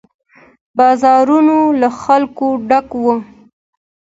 بازارونه له خلکو ډک وي.